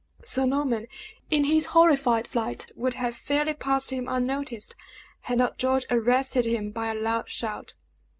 Sir Norman, in his horrified flight, would have fairly passed him unnoticed, had not George arrested him by a loud shout.